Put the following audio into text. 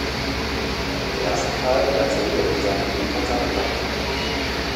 Im ersten Teil erzählt er von seinem Leben und seiner Krankheit.